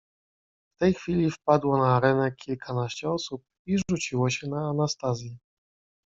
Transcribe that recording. "W tej chwili wpadło na arenę kilkanaście osób i rzuciło się na Anastazję."